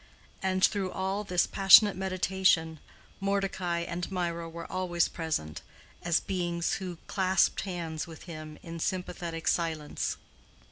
And through all this passionate meditation Mordecai and Mirah were always present, as beings who clasped hands with him in sympathetic silence.